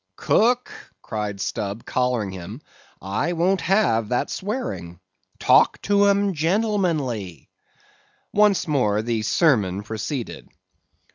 "Cook," cried Stubb, collaring him, "I won't have that swearing. Talk to 'em gentlemanly." Once more the sermon proceeded.